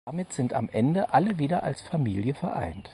Damit sind am Ende alle wieder als Familie vereint.